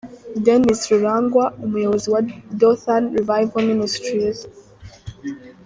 Denis Rurangwa, umuyobozi wa Dothan Revival Ministries.